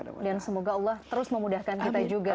dan semoga allah terus memudahkan kita juga